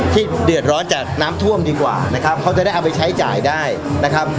ที่เดือดร้อนจากน้ำท่วมดีกว่านะครับเขาจะได้เอาไปใช้จ่ายได้นะครับ